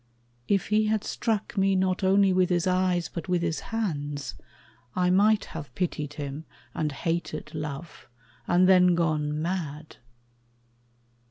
If he had struck me Not only with his eyes but with his hands, I might have pitied him and hated love, And then gone mad.